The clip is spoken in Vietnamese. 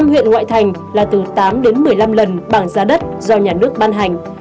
năm huyện ngoại thành là từ tám đến một mươi năm lần bảng giá đất do nhà nước ban hành